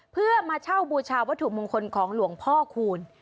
เพื่อมาเช่าบูชาวัตถุมงคลของหลวงพ่อคูณ